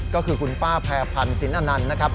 ก็คือคุณป้าแพรพันธ์สินอนันต์นะครับ